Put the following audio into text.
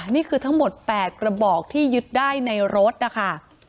นี่คือทั้งหมด๘กระบอกที่ยึดได้ในรถนะคะ